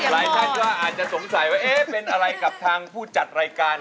รายการที่ตัวอาจจะสงสัยว่าเป็นอะไรกับทางผู้จัดรายการ